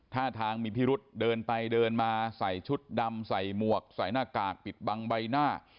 ท่าทางมีพิรุษเดินไปเดินมาใส่ชุดดำใส่หมวกใส่หน้ากากปิดบังใบหน้า